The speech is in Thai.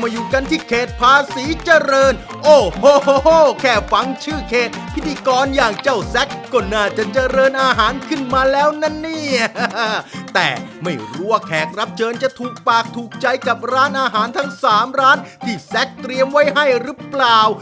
ไม่รู้ว่าแขกรับเชิญจะถูกปากถูกใจกับร้านอาหารทั้งสามร้านที่แซ็กเตรียมไว้ให้หรือเปล่า